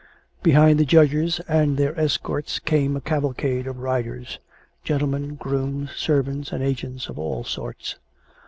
Behind the judges and their escort came a cavalcade of riders — gentlemen, grooms, serv ants, and agents of all sorts.